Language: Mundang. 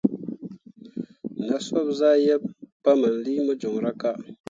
Na soɓ zah yeb pahmanlii mo joŋra ka.